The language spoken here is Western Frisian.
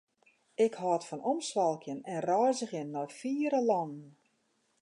Ik hâld fan omswalkjen en reizgjen nei fiere lannen.